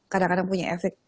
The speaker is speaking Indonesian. kadang kadang punya efek